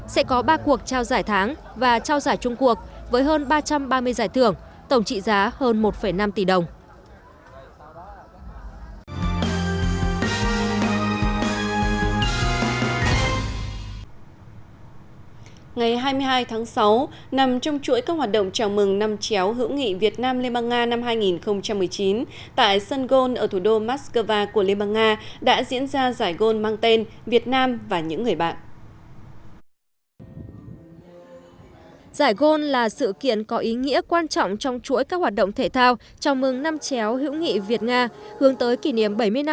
sẽ có ba cuộc trao giải tháng và trao giải chung cuộc với hơn ba trăm ba mươi giải thưởng tổng trị giá hơn một năm tỷ đồng